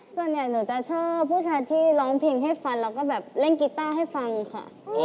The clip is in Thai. ส่วนใหญ่หนูจะชอบผู้ชายที่ร้องเพลงให้ฟันแล้วก็แบบเล่นกีต้าให้ฟังค่ะ